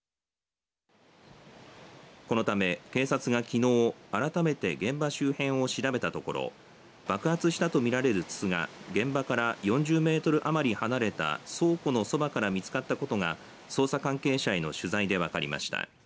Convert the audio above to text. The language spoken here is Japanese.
このため警察がきのう改めて現場周辺を調べたところ爆発したと見られる筒が現場から４０メートル余り離れた倉庫の側から見つかったことが捜査関係者への取材で分かりました。